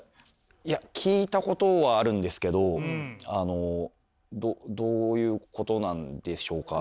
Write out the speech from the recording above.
いや聞いたことはあるんですけどあのどういうことなんでしょうか？